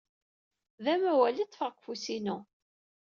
D amawal ay ḍḍfeɣ deg ufus-inu.